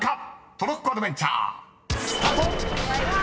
トロッコアドベンチャースタート！］